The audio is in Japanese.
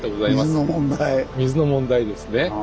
水の問題ですね。